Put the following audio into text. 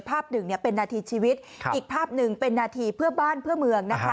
ภาพหนึ่งเป็นนาทีชีวิตอีกภาพหนึ่งเป็นนาทีเพื่อบ้านเพื่อเมืองนะคะ